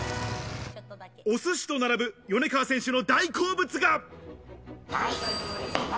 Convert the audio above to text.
お寿司と並ぶ米川選手の大好物だ。